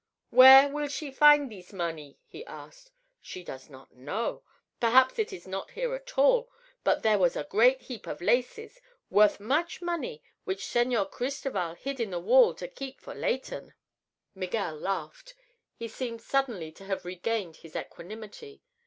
"Where will she find thees money?" he asked. "She does not know. Perhaps it is not here at all. But there was a great heap of laces, worth much money, which Señor Cristoval hid in the wall to keep for Leighton." Miguel laughed. He seemed suddenly to have regained his equanimity.